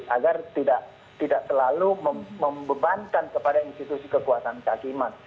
agar tidak terlalu membebankan kepada institusi kekuasaan cakiman